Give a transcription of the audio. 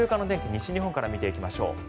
西日本から見ていきましょう。